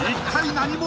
何者？